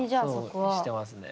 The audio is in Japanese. してますね。